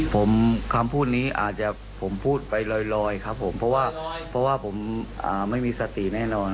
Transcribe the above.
หลังจากที่เรารู้ว่าเราหลากตำรวจเนี่ย